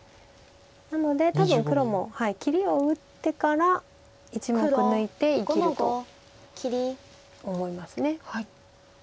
なので多分黒も切りを打ってから１目抜いて生きると思います。